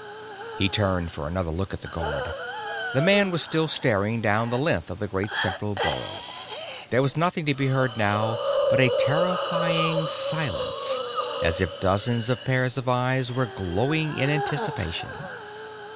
He turned for another look at the guard. The man was still staring down the length of the great central burrow. There was nothing to be heard now but a terrifying silence, as if dozens of pairs of eyes were glowing in anticipation.